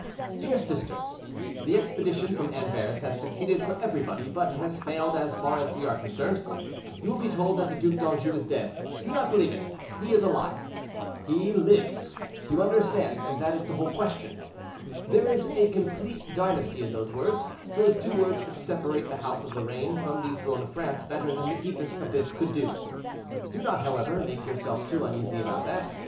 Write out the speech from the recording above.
"DEAR SISTER—The expedition from Anvers has succeeded for everybody, but has failed as far as we are concerned. You will be told that the Duc d'Anjou is dead; do not believe it—he is alive. "He lives, you understand, and that is the whole question. "There is a complete dynasty in those words; those two words separate the house of Lorraine from the throne of France better than the deepest abyss could do. "Do not, however, make yourself too uneasy about that.